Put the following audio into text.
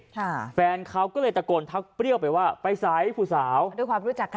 แฟนเขาก็เลยตะโกนทักเปรี้ยวไปว่าไปสายผู้สาวด้วยความรู้จักกัน